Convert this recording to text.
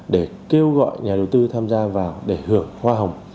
để kêu gọi nhà đầu tư tham gia vào để hưởng hoa hồng